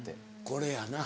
これやな。